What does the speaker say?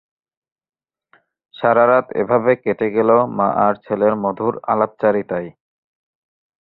সারারাত এভাবে কেটে গেল মা আর ছেলের মধুর আলাপচারিতায়।